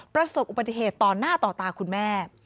ประสบอุบัติเหตุต่อหน้าต่อตาคุณแม่